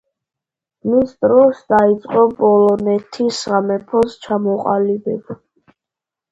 მის დროს დაიწყო პოლონეთის სამეფოს ჩამოყალიბება.